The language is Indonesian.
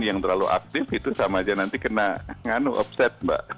yang terlalu aktif itu sama saja nanti kena nganu upset mbak